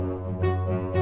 gak ada apa apa